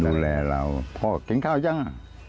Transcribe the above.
ดูแลเราเพราะว่ากินข้าวหรือยัง